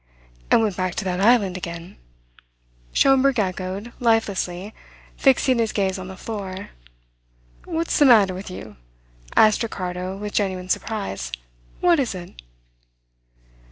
"And went back to that island again," Schomberg echoed lifelessly, fixing his gaze on the floor. "What's the matter with you?" asked Ricardo with genuine surprise. "What is it?"